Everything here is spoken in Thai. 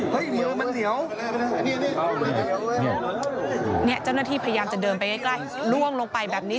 เหลียวมันเหลียวเนี่ยเจ้าหน้าที่พยายามจะเดินไปใกล้ใกล้ล่วงลงไปแบบนี้